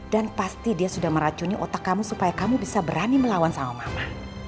dan pasti dia sudah meracuni otak kamu supaya kamu bisa berani melawan sama mama